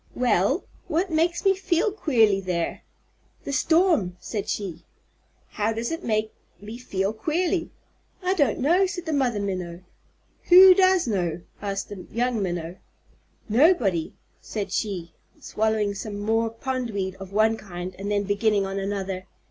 "Well, what makes me feel queerly there?" "The storm," said she. "How does it make me feel queerly?" "I don't know," said the Mother Minnow. "Who does know?" asked the young Minnow. "Nobody," said she, swallowing some more pondweed of one kind and then beginning on another.